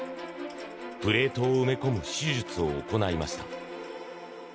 プレートを埋め込む手術を行いました。